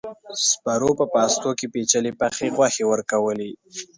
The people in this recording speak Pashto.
سپرو په پاستو کې پيچلې پخې غوښې ورکولې.